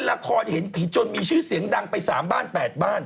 ละครเห็นผีจนมีชื่อเสียงดังไป๓บ้าน๘บ้าน